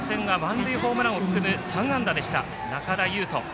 初戦は満塁ホームランを含む３安打でした、仲田侑仁。